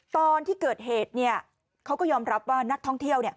ตอนที่เกิดเหตุเขาก็ยอมรับว่านักท่องเที่ยว